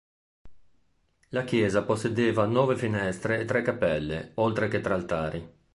La chiesa possedeva nove finestre e tre cappelle, oltre che tre altari.